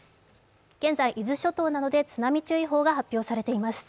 現在、伊豆諸島などで津波注意報が発表されています。